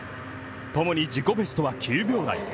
ともに自己ベストは９秒台。